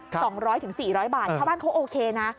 สองร้อยถึงสี่ร้อยบาทชาวบ้านเขาโอเคนะ